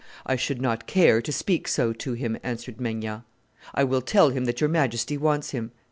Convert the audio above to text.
"I should not care to speak so to him," answered Maignan. "I will tell him that your Majesty wants him."